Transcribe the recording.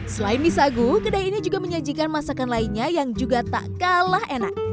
selain mie sagu kedai ini juga menyajikan masakan lainnya yang juga tak kalah enak